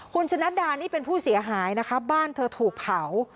คุณชนะดานี่เป็นผู้เสียหายนะคะบ้านเธอถูกเผา